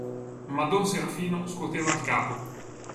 Ma don Serafino scuoteva il capo.